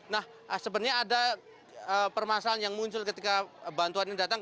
nah sebenarnya ada permasalahan yang muncul ketika bantuan ini datang